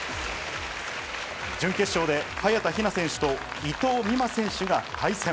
準決勝で早田ひな選手と伊藤美誠選手が対戦。